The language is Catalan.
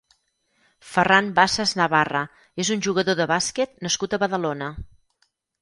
Ferran Bassas Navarra és un jugador de bàsquet nascut a Badalona.